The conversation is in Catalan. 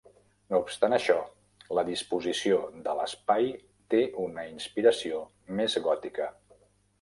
No obstant això, la disposició de l"espai té una inspiració més gòtica.